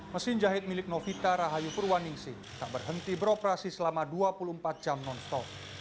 mesin jahit milik novita rahayu purwaningsin tak berhenti beroperasi selama dua puluh empat jam non stop